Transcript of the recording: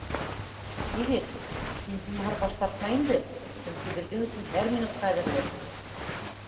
Егет, һин, зинһар, баш тартма инде, сөнки беҙҙең өсөн һәр минут ҡәҙерле